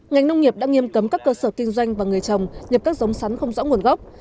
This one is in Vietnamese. ngành nông nghiệp đã nghiêm cấm các cơ sở kinh doanh và người trồng nhập các giống sắn không rõ nguồn gốc